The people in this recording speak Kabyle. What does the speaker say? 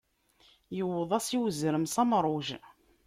Iwweḍ-as i uzrem s amruj.